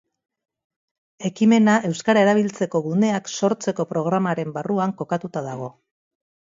Ekimena euskara erabiltzeko guneak sortzeko programaren barruan kokatuta dago.